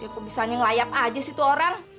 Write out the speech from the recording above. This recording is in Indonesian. kok bisanya ngelayap aja situ orang